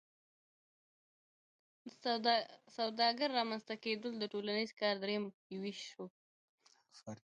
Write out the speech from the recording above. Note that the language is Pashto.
د سوداګر رامنځته کیدل د ټولنیز کار دریم ویش شو.